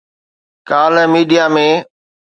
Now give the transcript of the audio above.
ڪالهه ميڊيا ۾